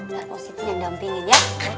biar positi yang dampingin ya